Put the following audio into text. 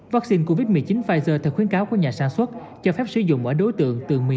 vaccine covid một mươi chín pfizer theo khuyến cáo của nhà sản xuất cho phép sử dụng ở đối tượng từ một mươi hai một mươi bảy tuổi